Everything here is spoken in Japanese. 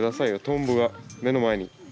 トンボが目の前に。